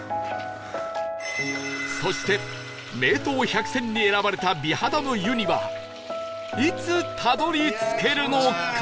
そして名湯百選に選ばれた美肌の湯にはいつたどり着けるのか？